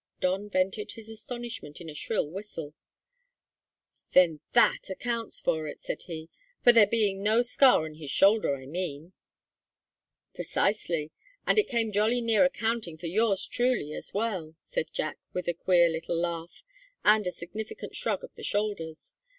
Don vented his astonishment in a shrill whistle. "Then that accounts for it," said he; "for there being no scar on his shoulder, I mean." "Precisely; and it came jolly near accounting for yours truly as well," said Jack, with a queer little laugh and a significant shrug of the shoulders.